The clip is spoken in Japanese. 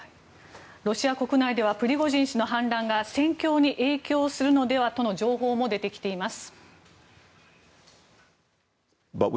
ロシア国内ではプリゴジン氏の反乱が戦況に影響するのではとの情報も出てきています。